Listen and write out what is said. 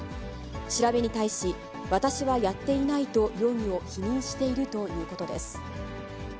調べに対し、私はやっていないと容疑を否認しているということです。